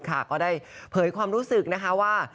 ก็ได้เผยความรู้สึกนะคะว่า